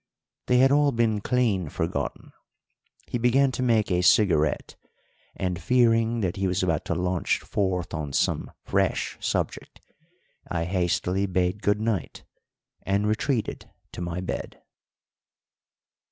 They had all been clean forgotten. He began to make a cigarette, and, fearing that he was about to launch forth on some fresh subject, I hastily bade good night and retreated to my bed.